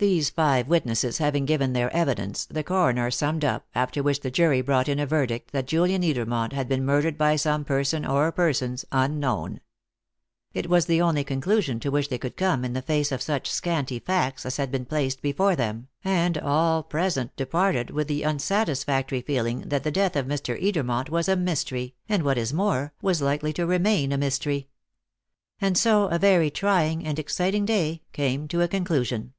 These five witnesses having given their evidence, the coroner summed up, after which the jury brought in a verdict that Julian Edermont had been murdered by some person or persons unknown. It was the only conclusion to which they could come in the face of such scanty facts as had been placed before them, and all present departed with the unsatisfactory feeling that the death of Mr. Edermont was a mystery, and, what is more, was likely to remain a mystery. And so a very trying and exciting day came to a conclusion.